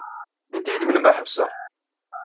Init-yi-d melmi ad ḥebseɣ.